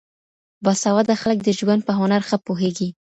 با سواده خلګ د ژوند په هنر ښه پوهېږي.